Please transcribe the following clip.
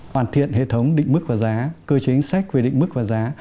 hoàn thiện hệ thống đỉnh mức và giá cơ chế chính xác về đỉnh mức và giá